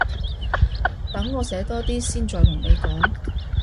等我寫多啲先再同你講